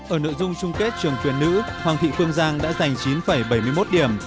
ở nội dung chung kết trường tuyển nữ hoàng thị phương giang đã giành chín bảy mươi một điểm